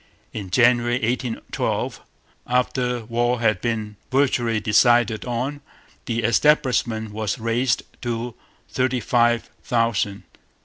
In January 1812, after war had been virtually decided on, the establishment was raised to thirty five thousand.